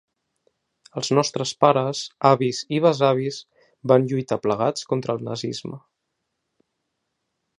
Els nostres pares, avis i besavis van lluitar plegats contra el nazisme.